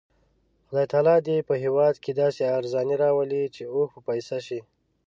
خدای تعالی دې په هېواد کې داسې ارزاني راولي چې اوښ په پیسه شي.